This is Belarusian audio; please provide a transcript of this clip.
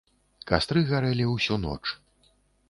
Кастры гарэлі ўсю ноч.